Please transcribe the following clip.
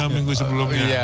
tiga minggu sebelumnya